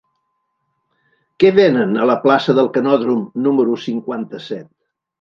Què venen a la plaça del Canòdrom número cinquanta-set?